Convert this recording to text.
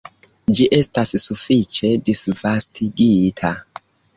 Ĝi estas sufiĉe disvastigita.